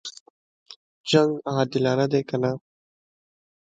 جنګ عادلانه دی کنه.